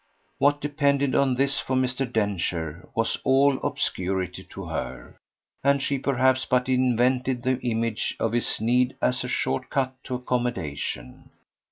What depended on this for Mr. Densher was all obscurity to her, and she perhaps but invented the image of his need as a short cut to accommodation.